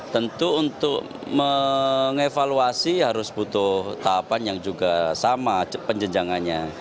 tentu untuk mengevaluasi harus butuh tahapan yang juga sama penjenjangannya